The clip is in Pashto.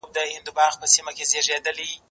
زه باید اوبه وڅښم!؟